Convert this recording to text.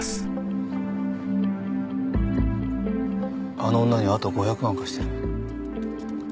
あの女にあと５００万貸してる。